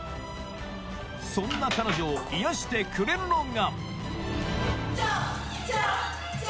そんな彼女を癒やしてくれるのが